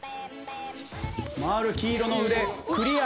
回る黄色の腕クリア。